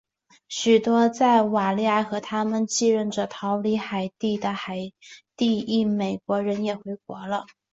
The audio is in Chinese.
许多在瓦利埃和他们的继任者逃离海地的海地裔美国人也回国了。